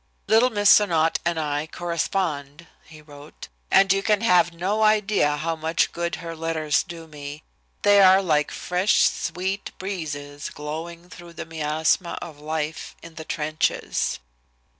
"Little Miss Sonnot and I correspond," he wrote, "and you can have no idea how much good her letters do me. They are like fresh, sweet breezes glowing through the miasma of life in the trenches."